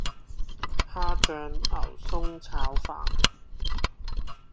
蝦醬牛崧炒飯